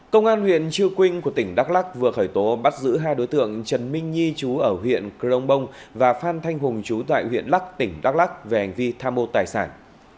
công an huyện chư quynh của tỉnh đắk lắc vừa khởi tố bắt giữ hai đối tượng trần minh nhi chú ở huyện crong bông và phan thanh hùng chú tại huyện lắc tỉnh đắk lắc về hành vi tham mô tài sản